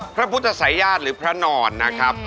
พระพุทธศัยญาติหรือพระนอนนะครับ